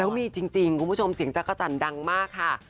แล้วมีจริงคุณผู้ชมเสียงจักรจันทร์ดังมากค่ะ